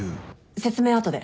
説明は後で。